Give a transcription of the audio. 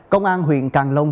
công an huyện càng long